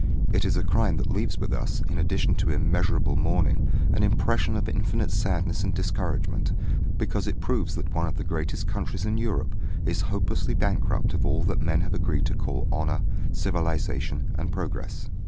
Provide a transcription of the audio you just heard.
It is a crime that leaves with us, in addition to immeasurable mourning, an impression of infinite sadness and discouragement, because it proves that one of the greatest countries in Europe is hopelessly bankrupt of all that men have agreed to call honour, civilisation, and progress.